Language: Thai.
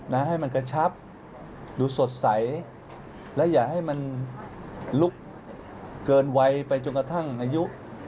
ให้มันกระชับดูสดใสและอย่าให้มันลุกเกินวัยไปจนกระทั่งอายุ